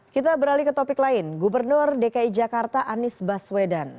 kita beralih ke topik lain gubernur dki jakarta anies baswedan